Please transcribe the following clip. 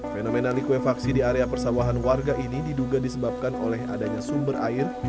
fenomena likuifaksi di area persawahan warga ini diduga disebabkan oleh adanya sumber air